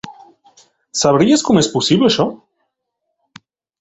Sabries com és possible això?